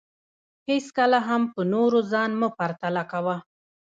هېڅکله هم په نورو ځان مه پرتله کوه